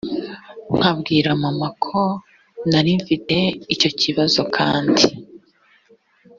nkabwira mama ko nari mfite icyo kibazo kandi